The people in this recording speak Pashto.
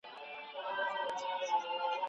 کلیوال د مېلمه د نه خوړلو له امله خپګان ښکاره کوي.